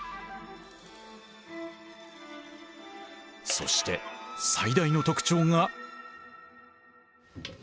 そして最大の特徴が。